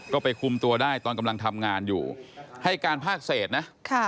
ก็ไปคุมตัวได้ตอนกำลังทำงานอยู่ให้การภาคเศษนะ